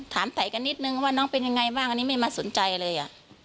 ไต่กันนิดนึงว่าน้องเป็นยังไงบ้างอันนี้ไม่มาสนใจเลยอ่ะ